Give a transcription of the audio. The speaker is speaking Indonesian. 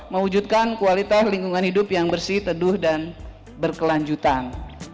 mewujudkan kualitas lingkungan hidup yang bersih teduh dan berkelanjutan